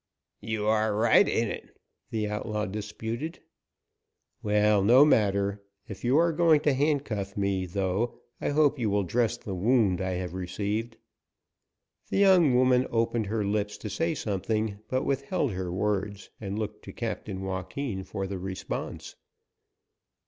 "You are right in it," the outlaw disputed. "Well, no matter. If you are going to handcuff me, though, I hope you will dress the wound I have received." The young woman opened her lips to say something, but withheld her words and looked to Captain Joaquin for the response.